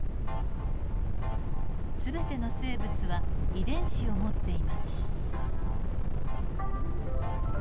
全ての生物は遺伝子を持っています。